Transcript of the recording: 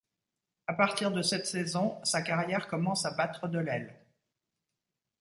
À partir de cette saison, sa carrière commence à battre de l'aile.